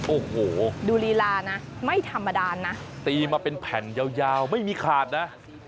โอ้โหดูลีลานะไม่ธรรมดานะตีมาเป็นแผ่นยาวไม่มีขาดนะ